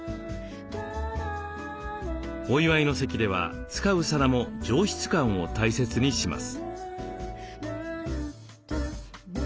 お祝いの席では使う皿も上質感を大切にします。